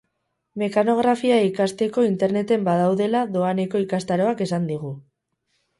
Mekanografia ikasteko Interneten badaudela doaneko ikastaroak esan digu.